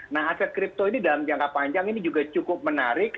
nah aset kripto ini dalam jangka panjang ini juga cukup menarik